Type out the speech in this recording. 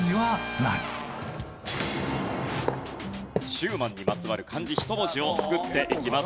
シューマンにまつわる漢字１文字を作っていきます。